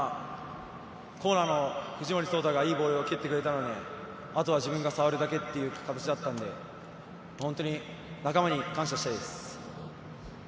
コーナーの藤森颯太がいいボールを蹴ってくれたので、あとは自分が触るだけという感じだったので、本当に仲間に感謝したいです。